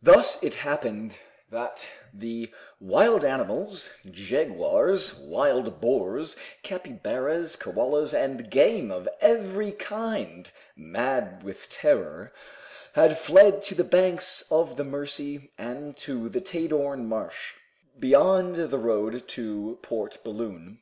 Thus it happened that the wild animals, jaguars, wild boars, capybaras, koalas, and game of every kind, mad with terror, had fled to the banks of the Mercy and to the Tadorn Marsh, beyond the road to Port Balloon.